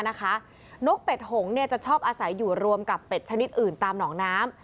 นกเป็ดหงจะชอบอาศัยอยู่รวมกับเป็ดชนิดอื่นตามหนองน้ำ